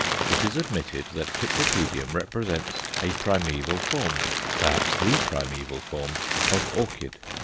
It is admitted that Cypripedium represents a primeval form perhaps the primeval form of orchid.